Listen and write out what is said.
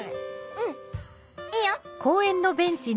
うんいいよ。